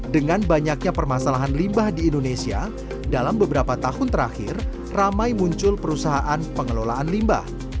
dengan banyaknya permasalahan limbah di indonesia dalam beberapa tahun terakhir ramai muncul perusahaan pengelolaan limbah